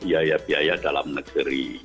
biaya biaya dalam negeri